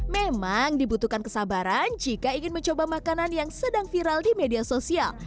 memang dibutuhkan kesabaran jika ingin mencoba makanan yang sedang viral di media sosial